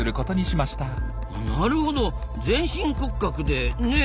なるほど全身骨格でねえ。